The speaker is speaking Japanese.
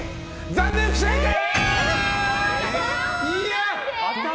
残念、不正解！